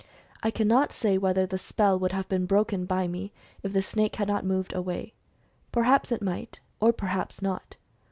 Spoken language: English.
I cannot say whether the spell would have been broken by me, if the snake had not moved away — perhaps it might, or perhaps not.